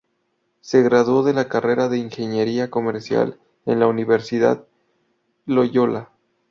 Se graduó de la carrera de Ingeniería Comercial en la Universidad Loyola.